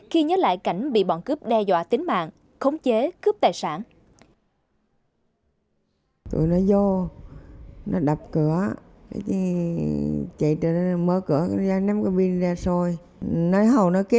khi nhớ lại cảnh bị bọn cướp đe dọa tính mạng khống chế cướp tài sản